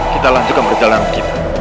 kita lanjutkan perjalanan kita